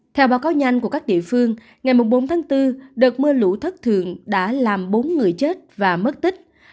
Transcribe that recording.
theo báo cáo nhanh của các địa phương ngày bốn tháng bốn đợt mưa lũ thất thường đã làm bốn người chết và mất tích